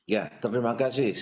ya terima kasih